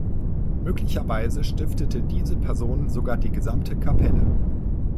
Möglicherweise stiftete diese Person sogar die gesamte Kapelle.